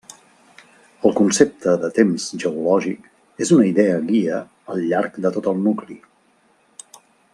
El concepte de temps geològic és una idea guia al llarg de tot el nucli.